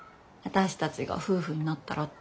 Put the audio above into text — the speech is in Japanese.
「私たちが夫婦になったら」